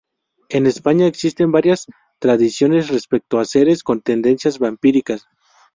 En España existen varias tradiciones respecto a seres con tendencias vampíricas.